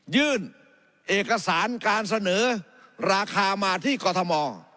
ยื่นเอกสารการเสนอราคามาที่กรทม